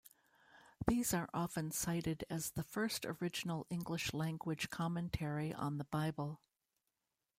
These are often cited as the first original English language commentary on the Bible.